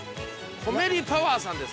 ◆コメリパワーさんです。